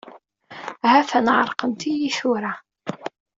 Ha-t-an ɛerqent-iyi tura.